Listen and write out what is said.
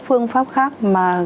phương pháp khác mà